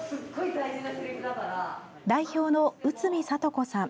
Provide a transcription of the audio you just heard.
代表の内海智子さん。